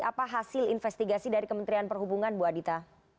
apa hasil investigasi dari kementerian perhubungan ibu adhita